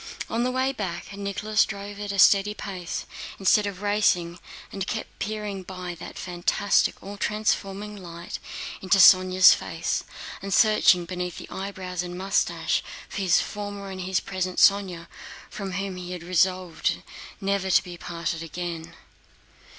On the way back Nicholas drove at a steady pace instead of racing and kept peering by that fantastic all transforming light into Sónya's face and searching beneath the eyebrows and mustache for his former and his present Sónya from whom he had resolved never to be parted again.